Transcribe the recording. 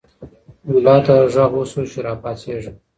ملا ته غږ وشو چې راپاڅېږه.